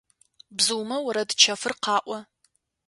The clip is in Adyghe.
Бзыумэ орэд чэфыр къаӀо.